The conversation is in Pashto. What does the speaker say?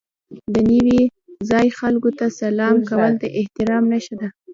د نوي ځای خلکو ته سلام کول د احترام نښه ده.